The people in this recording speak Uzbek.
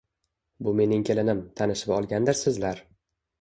Bu mening kelinim, tanishib olgandirsizlar?